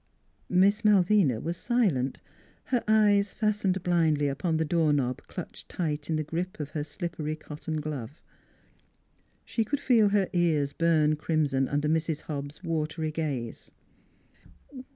Miss Malvina was silent, her eyes fastened blindly upon the door knob clutched tight in the grip of her slippery cotton glove. She could feel her ears burn crimson under Mrs. Hobbs' watery gaze.